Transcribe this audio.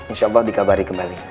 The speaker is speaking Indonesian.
insyaallah dikabari kembali